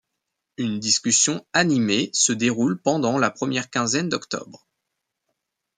Une discussion animée se déroule pendant la première quinzaine d'octobre.